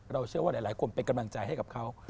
เชื่อว่าหลายคนเป็นกำลังใจให้กับเขา